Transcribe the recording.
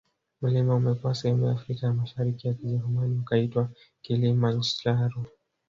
Mlima umekuwa sehemu ya Afrika ya Mashariki ya Kijerumani ukaitwa Kilima Ndscharo